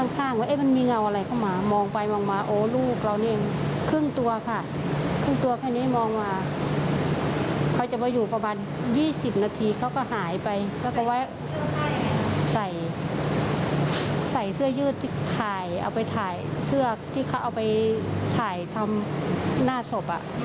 ใส่เสื้อยืดที่ถ่ายเอาไปถ่ายเสื้อที่เขาเอาไปถ่ายทำหน้าศพ